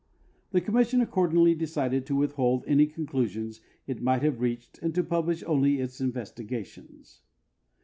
The commission accordingly decided to withhold any conclusions it might have reached and to pub lish only its investigations.